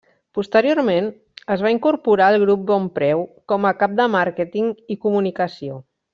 Posteriorment es va incorporar al Grup Bonpreu com a cap de màrqueting i comunicació.